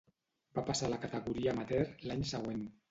Va passar a la categoria amateur l'any següent.